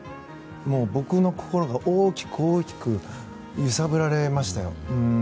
僕の心が大きく大きく揺さぶられましたよ。